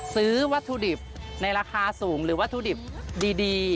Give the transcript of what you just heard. ซื้อวัตถุดิบในราคาสูงหรือวัตถุดิบดี